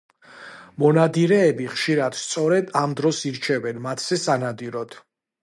მონადირეები ხშირად სწორედ ამ დროს ირჩევენ მათზე სანადიროდ.